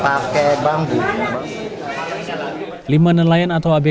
abu manad alcohol announce video ini tak apa tapi ke rencananya shirtless ya